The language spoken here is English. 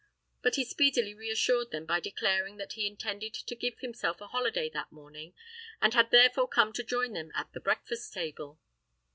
But he speedily reassured them by declaring that he intended to give himself a holiday that morning, and had therefore come to join them at the breakfast table.